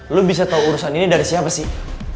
lo bisa tahu urusan ini dari siapa sih